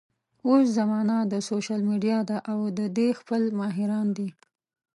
اوس زمانه د سوشل ميډيا ده او د دې خپل ماهران دي